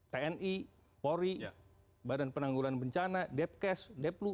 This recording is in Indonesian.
tni polri badan penanggulan bencana depkes deplu